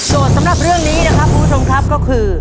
สำหรับเรื่องนี้นะครับคุณผู้ชมครับก็คือ